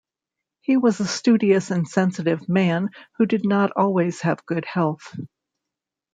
He was a studious and sensitive man who did not always have good health.